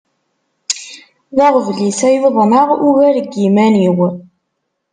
D aɣbel-is ay uḍneɣ ugar n yiman-iw.